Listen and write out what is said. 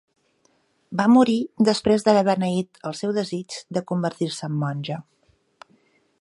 Va morir després d'haver beneït el seu desig de convertir-se en monja.